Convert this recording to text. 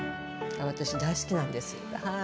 私大好きなんですはい。